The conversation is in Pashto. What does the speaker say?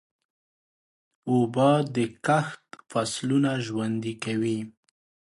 اوبه د کښت فصلونه ژوندي کوي.